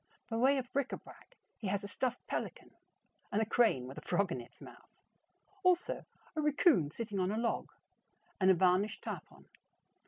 By way of bric a brac, he has a stuffed pelican and a crane with a frog in its mouth, also a raccoon sitting on a log, and a varnished tarpon.